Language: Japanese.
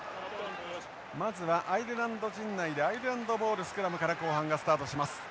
まずはアイルランド陣内でアイルランドボールスクラムから後半がスタートします。